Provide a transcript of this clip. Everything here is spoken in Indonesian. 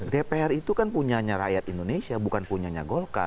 dpr itu kan punyanya rakyat indonesia bukan punyanya golkar